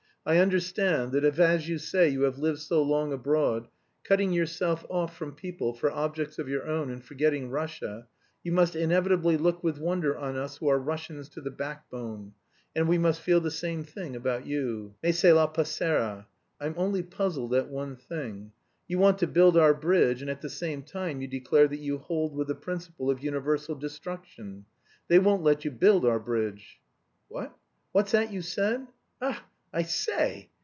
"I understand that, if as you say you have lived so long abroad, cutting yourself off from people for objects of your own and forgetting Russia, you must inevitably look with wonder on us who are Russians to the backbone, and we must feel the same about you. Mais cela passera. I'm only puzzled at one thing: you want to build our bridge and at the same time you declare that you hold with the principle of universal destruction. They won't let you build our bridge." "What! What's that you said? Ach, I say!"